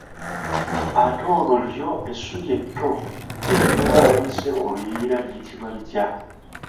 Ate olwo lyo essubi etto erimera awayise oluyiira liyitibwa litya?